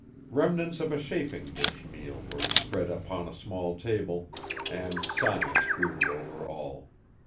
Remnants of a chafing dish meal were spread upon a small table, and silence brooded over all.